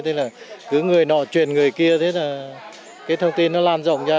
thế là cứ người nọ truyền người kia thế là cái thông tin nó lan rộng ra